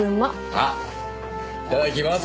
あっいただきます。